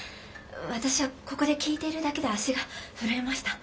私はここで聞いているだけで足が震えました。